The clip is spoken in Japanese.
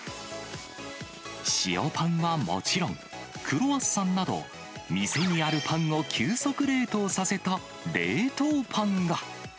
塩パンはもちろん、クロワッサンなど、店にあるパンを急速冷凍させた冷凍パンが。